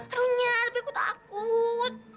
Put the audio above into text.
aduh nyah lebih aku takut